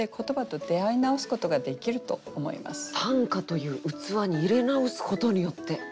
「短歌という器に入れ直すことによって」。